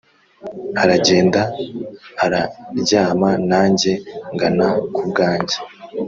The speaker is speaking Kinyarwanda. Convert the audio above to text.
Aragenda araryamaNanjye ngana ku bwanjye